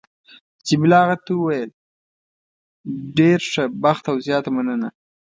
جميله هغه ته وویل: ډېر ښه بخت او زیاته مننه.